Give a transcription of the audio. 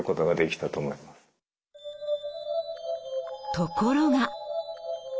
ところが。